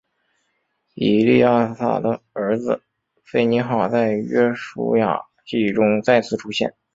以利亚撒的儿子非尼哈在约书亚记中再次出现。